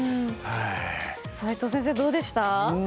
齋藤先生、どうでした？